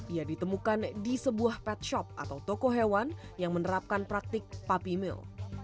ia ditemukan di sebuah pet shop atau toko hewan yang menerapkan praktik puppy mill